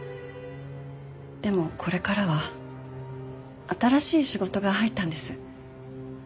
でもこれからは新しい仕事が入ったんです。